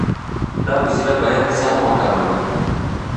دا وسیله باید سمه وکاروو.